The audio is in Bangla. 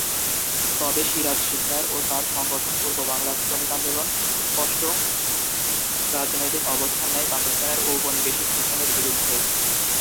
তবে সিরাজ সিকদার ও তার সংগঠন পূর্ব বাংলার শ্রমিক আন্দোলন স্পষ্ট রাজনৈতিক অবস্থান নেয় পাকিস্তানের ঔপনিবেশিক শোষণের বিরুদ্ধে।